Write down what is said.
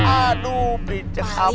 aduh bericek apaan tuh